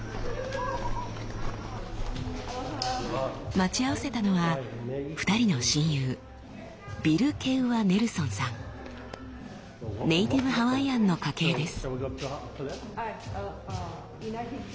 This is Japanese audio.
待ち合わせたのは２人の親友ネイティブハワイアンの家系です。